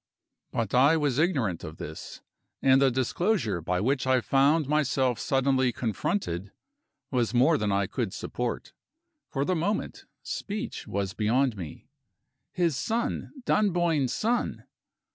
But I was ignorant of this: and the disclosure by which I found myself suddenly confronted was more than I could support. For the moment, speech was beyond me. His son! Dunboyne's son!